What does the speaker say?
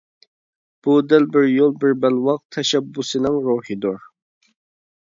بۇ دەل «بىر يول بىر بەلباغ» تەشەببۇسىنىڭ روھىدۇر.